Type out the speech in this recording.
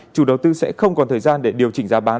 chủ đầu tư sẽ không còn thời gian để điều chỉnh giá bán